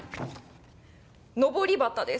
のぼり旗です。